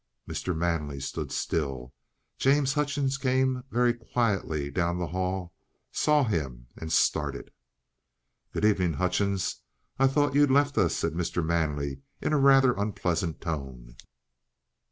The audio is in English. Mr. Manley stood still. James Hutchings came very quietly down the hall, saw him, and started. "Good evening, Hutchings. I thought you'd left us," said Mr. Manley, in a rather unpleasant tone.